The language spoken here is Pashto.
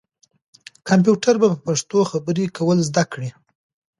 کمپیوټر به په پښتو خبرې کول زده کړي.